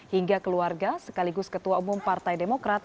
hingga keluarga sekaligus ketua umum partai demokrat